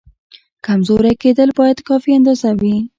کمزوری کېدل باید کافي اندازه وي.